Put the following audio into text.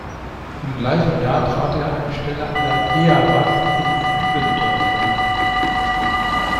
Im gleichen Jahr trat er eine Stelle an der Eawag in Dübendorf an.